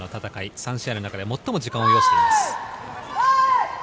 ３戦の中で最も長い試合時間を要しています。